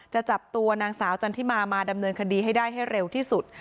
จะจับตัวนางสาวจันทิมามาดำเนินคดีให้ได้ให้เร็วที่สุด